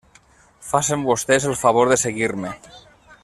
Facen vostès el favor de seguir-me.